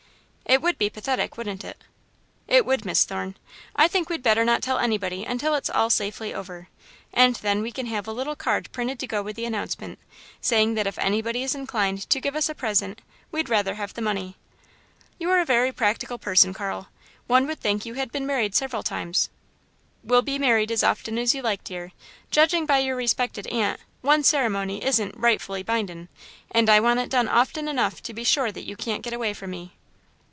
"It would be pathetic, wouldn't it?" "It would, Miss Thorne. I think we'd better not tell anybody until its all safely over, and then we can have a little card printed to go with the announcement, saying that if anybody is inclined to give us a present, we'd rather have the money." "You're a very practical person, Carl. One would think you had been married several times." "We'll be married as often as you like, dear. Judging by your respected aunt, one ceremony isn't 'rightfully bindin', and I want it done often enough to be sure that you can't get away from me."